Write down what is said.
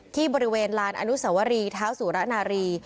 ที่บริเวณลานอนุสวรีเท้าสุระนารี